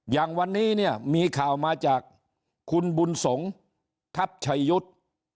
อย่างวันนี้เนี่ยมีข่าวมาจากคุณบุญสงฆ์ทัพชัยยุทธ์